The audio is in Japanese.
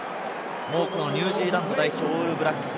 ニュージーランド代表・オールブラックス。